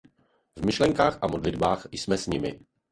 V myšlenkách a modlitbách jsme s nimi.